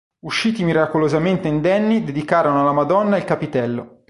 Usciti miracolosamente indenni dedicarono alla Madonna il capitello.